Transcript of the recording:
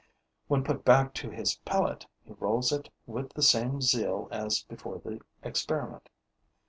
When put back to his pellet, he rolls it with the same zeal as before the experiment.